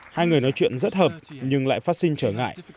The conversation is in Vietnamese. hai người nói chuyện rất hợp nhưng lại phát sinh trở ngại